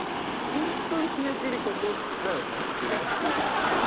本当に締め切りここだよね？っていうような。